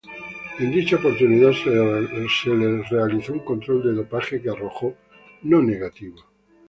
En dicha oportunidad se le realizó un control de dopaje, que arrojó "no negativo".